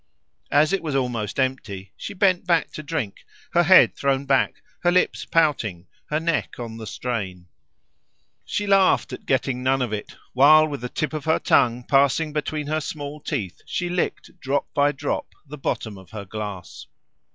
As it was almost empty she bent back to drink, her head thrown back, her lips pouting, her neck on the strain. She laughed at getting none of it, while with the tip of her tongue passing between her small teeth she licked drop by drop the bottom of her glass.